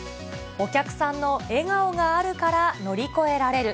お客さんの笑顔があるから乗り越えられる。